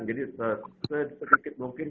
jadi sedikit mungkin